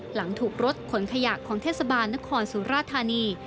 หลังถูกรถขนขยะของเทศบาลนครสุราธานี